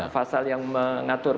fasal yang mengatur